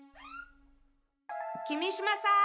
君島さん？